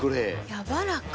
やわらか。